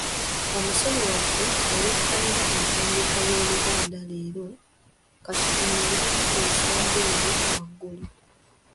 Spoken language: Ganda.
Omusomi waffe eyettanira empandiika y’Oluganda, leero ka tutunuulireko ku nsonga eyo waggulu.